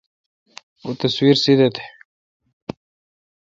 او تصویر سیدہ تھ۔